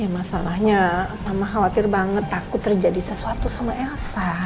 masalahnya lama khawatir banget takut terjadi sesuatu sama elsa